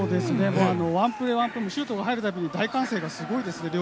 ワンプレーワンプレー、シュートが入るたびに大歓声がすごいです